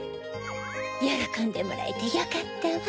よろこんでもらえてよかったわ。